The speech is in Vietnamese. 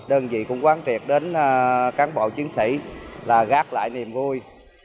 đơn vị cũng quán triệt đến cán bộ chiến sĩ là gác lại niềm vui